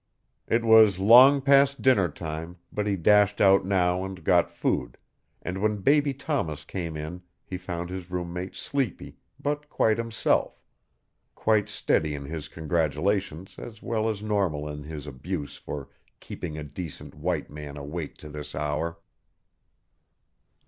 It was long past dinner time, but he dashed out now and got food, and when Baby Thomas came in he found his room mate sleepy, but quite himself; quite steady in his congratulations as well as normal in his abuse for "keeping a decent white man awake to this hour."